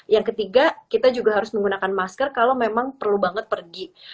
yang ketiga kita juga harus menggunakan masker kalau memang perlu banget pergi